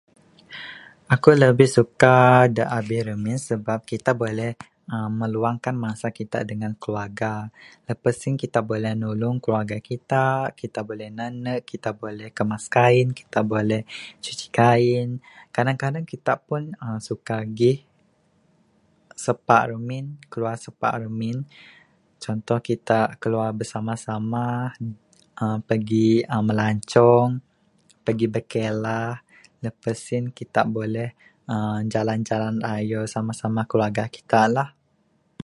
Eku lebih suka da abih remin, sebab kita buleh uhh meluangkan masa kita dengan keluarga, lepas sien kita buleh nulung keluarga kita, kita buleh nenek, kita buleh kemas kain, kita buleh cuci kain, kadang-kadang kita pun suka gih, sepak remin, keluar sepak remin, cuntoh kita keluar bersama-sama uhh pegi uhh melancong, pegi berkelah, lepas sien kita buleh uhh jalan-jalan ayo samah-samah keluarga kita lah.